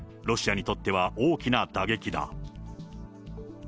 ロシアにとっては大きな打撃だ。